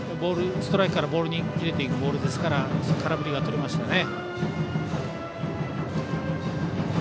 ストライクからボールに切れていくボールですから空振りがとれましたね。